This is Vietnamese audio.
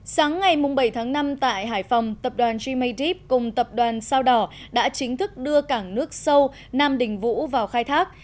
sáng ngày bảy tháng năm tại hải phòng tập đoàn gma deep cùng tập đoàn sao đỏ đã chính thức đưa cảng nước sâu nam đình vũ vào khai thác